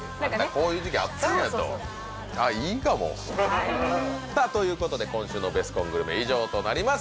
こういう時期あったんやとそうそうそうああいいかもはいさあということで今週の「ベスコングルメ」以上となります